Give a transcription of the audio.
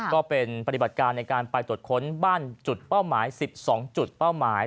ปฏิบัติการในการไปตรวจค้นบ้านจุดเป้าหมาย๑๒จุดเป้าหมาย